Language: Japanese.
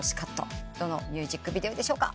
どのミュージックビデオでしょうか？